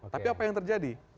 tapi apa yang terjadi